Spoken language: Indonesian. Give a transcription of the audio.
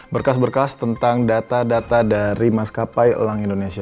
berkas berkas tentang data data dari maskapai elang indonesia